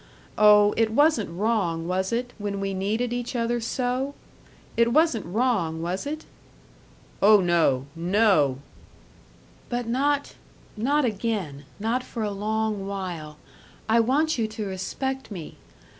Oh, it wasn't wrong, was it, when we needed each other so? It wasn't wrong, was it?" "Oh no no!" "But not not again not for a long while. I want you to respect me.